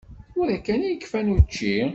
Tura kan i kfan učči.